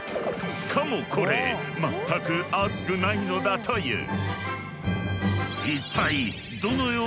しかもこれ全く熱くないのだという。